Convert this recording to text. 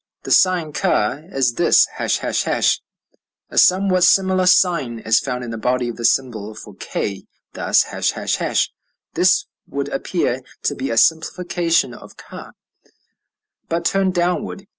The sign ca is this, ###. A somewhat similar sign is found in the body of the symbol for k, thus, ###, this would appear to be a simplification of ca, but turned downward.